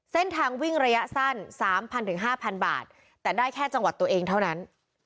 เส้นทางวิ่งระยะสั้น๓๐๐๕๐๐บาทแต่ได้แค่จังหวัดตัวเองเท่านั้น